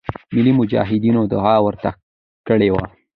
ملی مجاهدینو دعا ورته کړې وه.